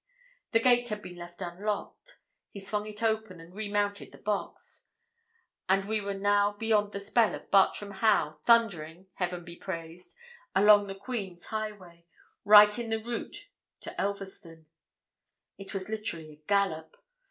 The gate had been left unlocked he swung it open, and remounted the box. And we were now beyond the spell of Bartram Haugh, thundering Heaven be praised! along the Queen's highway, right in the route to Elverston. It was literally a gallop.